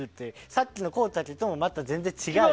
さっきのコウタケともまた全然違う。